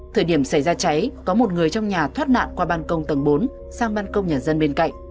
thời điểm xảy ra cháy có một người trong nhà thoát nạn qua bàn công tầng bốn sang bàn công nhà dân bên cạnh